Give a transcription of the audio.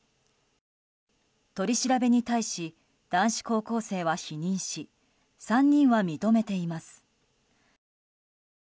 取り調べに対し男子高校生は否認し３人は認めています。